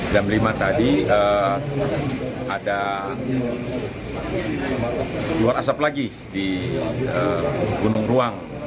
jam lima tadi ada luar asap lagi di gunung ruang